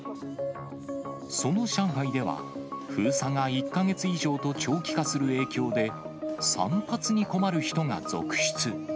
その上海では、封鎖が１か月以上と長期化する影響で、散髪に困る人が続出。